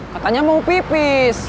katanya mau pipis